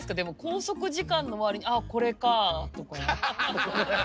拘束時間の割にああこれかとか。